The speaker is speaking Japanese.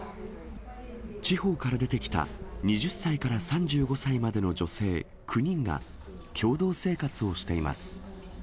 地方から出てきた２０歳から３５歳までの女性９人が共同生活をしています。